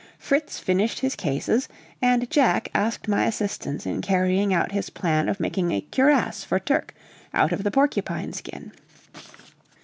Fritz finished his cases, and Jack asked my assistance in carrying out his plan of making a cuirass for Turk out of the porcupine skin.